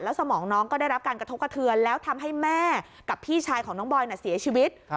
สมองน้องก็ได้รับการกระทบกระเทือนแล้วทำให้แม่กับพี่ชายของน้องบอยเสียชีวิต